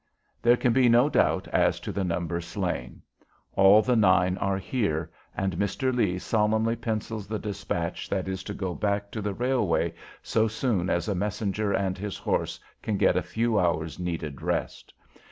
There can be no doubt as to the number slain. All the nine are here, and Mr. Lee solemnly pencils the despatch that is to go back to the railway so soon as a messenger and his horse can get a few hours' needed rest.